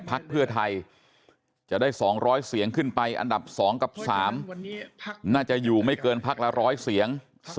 พักเพื่อไทยจะได้๒๐๐เสียงขึ้นไปอันดับ๒กับ๓น่าจะอยู่ไม่เกินพักละ๑๐๐เสียง